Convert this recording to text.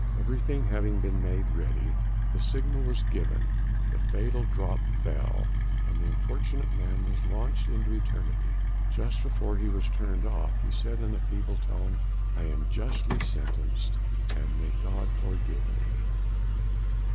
Everything having been made ready, the signal was given, the fatal drop fell, and the unfortunate man was launched into eternity. Just before he was turned off, he said in a feeble tone, "I am justly sentenced, and may God forgive me."